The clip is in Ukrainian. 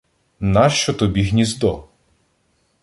- Нащо тобі гніздо?